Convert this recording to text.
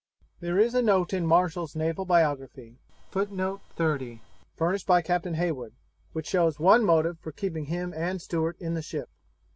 There is a note in Marshall's Naval Biography, furnished by Captain Heywood, which shows one motive for keeping him and Stewart in the ship.